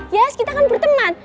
yes kita kan berteman